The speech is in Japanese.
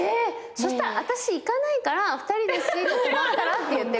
「そしたら私行かないから２人でスイート泊まったら？」って言ってみたら。